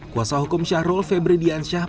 kuasa hukum syahrul febri diansyah